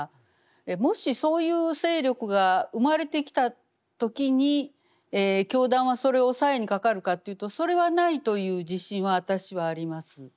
もしそういう勢力が生まれてきた時に教団はそれを抑えにかかるかというとそれはないという自信は私はあります。